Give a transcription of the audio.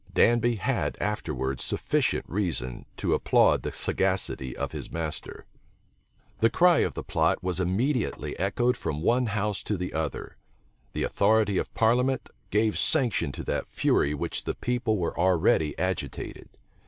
Danby had afterwards sufficient reason to applaud the sagacity of his master. The cry of the plot was immediately echoed from one house to the other. The authority of parliament gave sanction to that fury with which the people were already agitated.